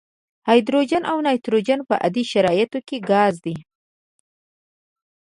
هایدروجن او نایتروجن په عادي شرایطو کې ګاز دي.